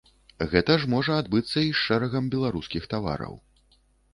Гэта ж можа адбыцца і з шэрагам беларускіх тавараў.